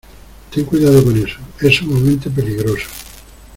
Ten cuidado con eso. Es sumamente peligroso .